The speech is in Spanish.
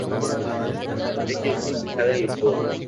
Uruguay tiene una embajada en Lisboa.